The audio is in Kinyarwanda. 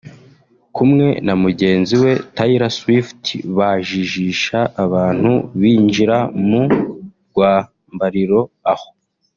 Kumwe na mugenzi we Taylor Swift bajijisha abantu binjira mu rwambariro( aho